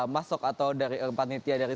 masuk atau dari empat nitia dari